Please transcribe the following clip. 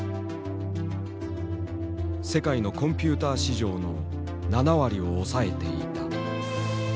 世界のコンピューター市場の７割を押さえていた。